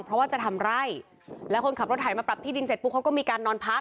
เพราะว่าจะทำไร่แล้วคนขับรถไถมาปรับที่ดินเสร็จปุ๊บเขาก็มีการนอนพัก